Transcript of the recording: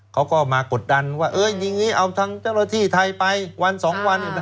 เขาก็มากดดันว่าอย่างนี้เอาทางเจ้าหน้าที่ไทยไปวัน๒วัน